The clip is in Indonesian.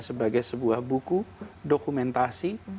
sebagai sebuah buku dokumentasi